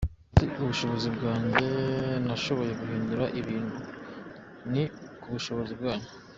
Si kubushobozi bwanje nashoboye guhindura ibintu - ni kubushobozi bwanyu.